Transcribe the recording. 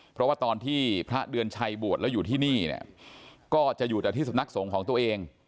เพราะว่าตอนที่พระเดือนชัยบวชแล้วอยู่ที่นี่เนี่ยก็จะอยู่แต่ที่สำนักสงฆ์ของตัวเอง